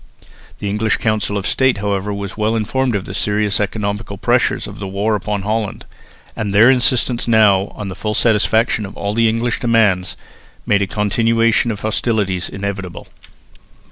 The English Council of State, however, was well informed of the serious economical pressure of the war upon Holland; and their insistence now on the full satisfaction of all the English demands made a continuation of hostilities inevitable.